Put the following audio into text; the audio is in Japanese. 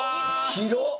広っ！